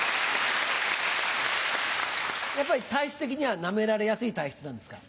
やっぱり体質的にはナメられやすい体質なんですか？